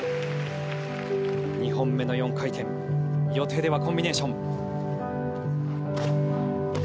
２本目の４回転予定ではコンビネーション。